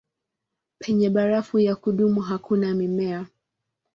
Penye barafu ya kudumu hakuna mimea.